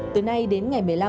từ nay đến ngày một mươi năm